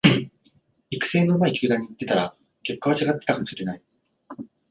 育成の上手い球団に行ってたら結果は違っていたかもしれない